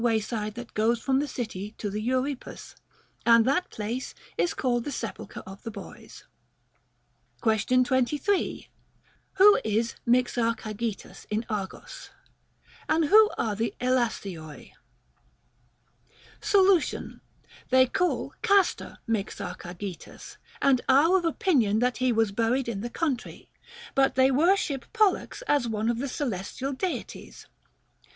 wayside that goes from the city to the Euripus ; and that place is called the Sepulchre of the Boys. Question 23. Who is Μιξαρχαγετας in Argos ? And who are the Έλάσιοί? Solution. They call Castor Mixarchagetas, and are of opinion that he was buried in the country ; but they wor ship Pollux as one of the celestial Deities.